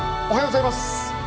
おはようございます。